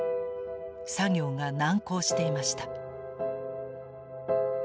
作業が難航していました。